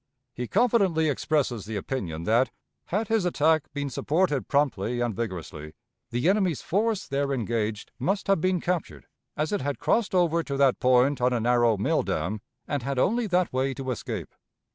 He confidently expresses the opinion that, had his attack been supported promptly and vigorously, the enemy's force there engaged must have been captured, as it had crossed over to that point on a narrow mill dam, and had only that way to escape.